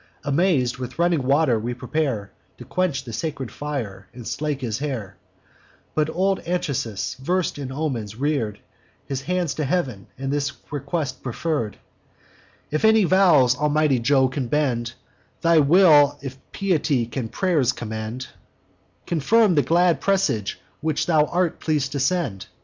Amaz'd, with running water we prepare To quench the sacred fire, and slake his hair; But old Anchises, vers'd in omens, rear'd His hands to heav'n, and this request preferr'd: 'If any vows, almighty Jove, can bend Thy will; if piety can pray'rs commend, Confirm the glad presage which thou art pleas'd to send.